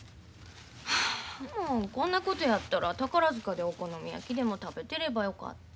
はあもうこんなことやったら宝塚でお好み焼きでも食べてればよかった。